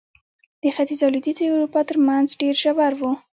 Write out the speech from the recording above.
د ختیځې او لوېدیځې اروپا ترمنځ ډېر ژور و.